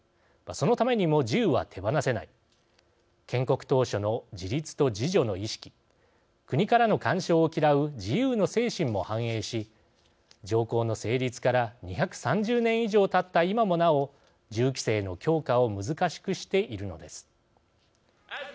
そのためにも銃は手放せない建国当初の自立と自助の意識国からの干渉を嫌う自由の精神も反映し条項の成立から２３０年以上経った今もなお、銃規制の強化を難しくしているのです。